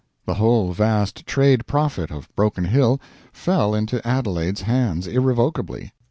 The whole vast trade profit of Broken Hill fell into Adelaide's hands, irrevocably.